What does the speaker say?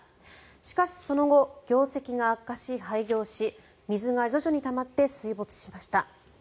しかし、その後業績が悪化し、廃業し水が徐々にたまって水没しました。